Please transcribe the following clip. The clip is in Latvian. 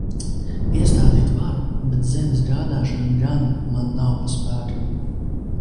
Iestādīt varu, bet zemes gādāšana gan man nav pa spēkam.